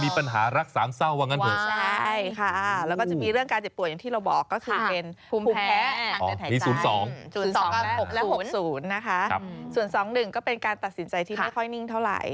อีกสักเบอร์นึง